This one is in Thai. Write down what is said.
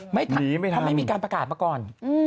ไม่ทันเขาไม่มีการประกาศมาก่อน